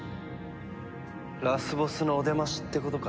ラスボスのお出ましってことか。